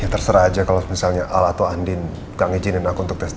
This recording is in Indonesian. ya terserah aja kalau misalnya al atau andin gak ngijinin aku untuk tes dna